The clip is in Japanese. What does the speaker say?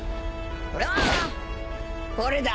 俺は俺だ。